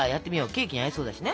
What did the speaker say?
ケーキに合いそうだしね。